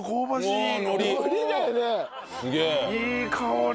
いい香り。